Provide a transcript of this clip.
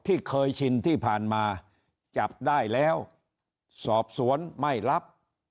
ที่เคยชินที่ผ่านมาจับได้แล้วสอบสวนไม่รับ